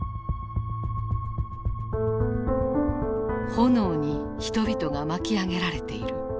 炎に人々が巻き上げられている。